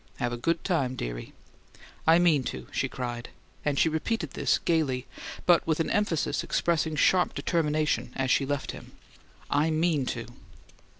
Have a good time, dearie." "I mean to!" she cried; and she repeated this gaily, but with an emphasis expressing sharp determination as she left him. "I MEAN to!"